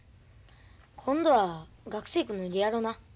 今度は学生服脱いでやろな。